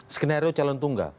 skenario calon tunggal